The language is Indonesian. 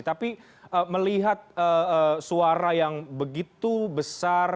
tapi melihat suara yang begitu besar